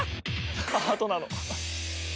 ハートなの？